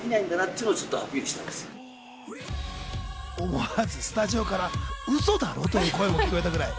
思わずスタジオから嘘だろという声が聞こえたくらい。